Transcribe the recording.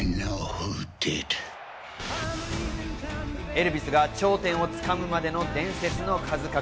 エルヴィスが頂点を掴むまでの伝説の数々。